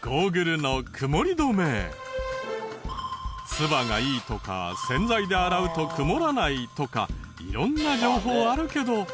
ツバがいいとか洗剤で洗うと曇らないとか色んな情報あるけど。